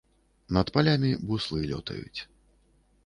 Над палямі буслы лётаюць.